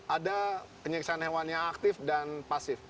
ada penyiksaan hewan yang aktif dan pasif